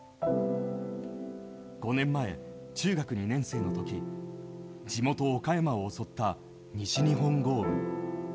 ５年前、中学２年生の時地元・岡山を襲った西日本豪雨。